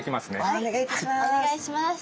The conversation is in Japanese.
はいお願いします。